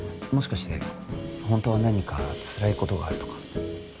もしかして本当は何かつらい事があるとか？